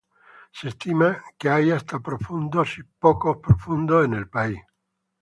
Se estima que hay hasta profundos y poco profundos en el país.